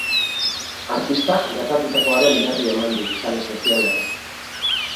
Artistak gertatutakoaren berri eman du sare sozialean.